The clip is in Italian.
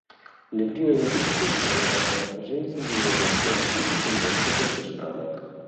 Le prime notizie sono legate alla presenza di uno dei più antichi conventi francescani.